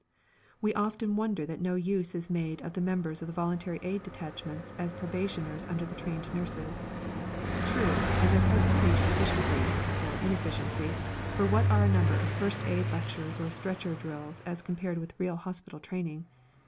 We often wonder that no use is made of the members of the Voluntary Aid Detachments as probationers under the trained nurses. True, in their present stage of efficiency (or inefficiency, for what are a number of first aid lectures or stretcher drills as compared with the real hospital training?)